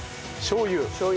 しょう油。